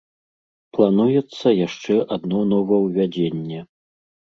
Плануецца яшчэ адно новаўвядзенне.